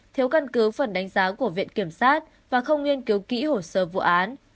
thiếu căn cứ phần đánh giá của viện kiểm sát và không nghiên cứu kỹ hồ sơ vụ án